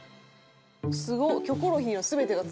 すごっ！